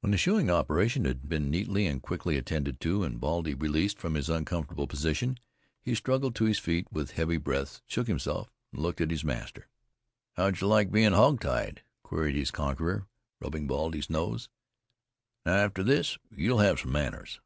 When the shoeing operation had been neatly and quickly attended to and Baldy released from his uncomfortable position he struggled to his feet with heavy breaths, shook himself, and looked at his master. "How'd you like being hog tied?" queried his conqueror, rubbing Baldy's nose. "Now, after this you'll have some manners."